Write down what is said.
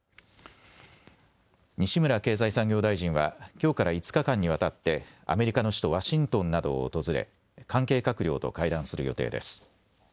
西村経済産業大臣はきょうから５日間にわたってアメリカの首都ワシントンなどを訪れ関係閣僚と会談する予定です。